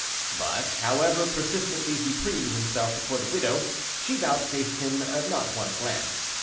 But however persistently he preened him self before the widow, she vouchsafed him not one glance.